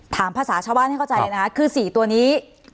ถามภาษาชาวะให้เข้าใจนะครับคือสี่ตัวนี้